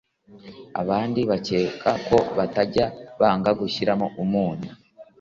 abandi bakeka ko batajya banga gushyiramo umunyu